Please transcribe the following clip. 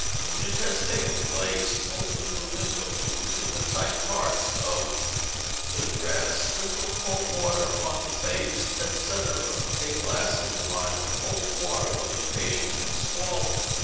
When it has taken place open the windows, loosen the tight parts of the dress, sprinkle cold water on the face, &c. A glass of wine or cold water when the patient can swallow.